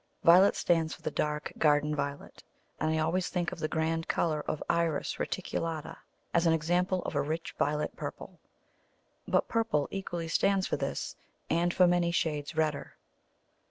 Violet stands for the dark garden violet, and I always think of the grand colour of Iris reticulata as an example of a rich violet purple. But purple equally stands for this, and for many shades redder.